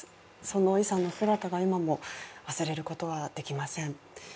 その李さんの姿が今も忘れることはできません